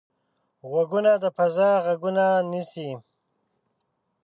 غوږونه د فضا غږونه نیسي